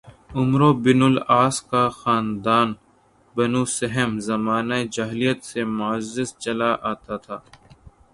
"عمروبن العاص کا خاندان "بنوسہم"زمانہ جاہلیت سے معزز چلا آتا تھا"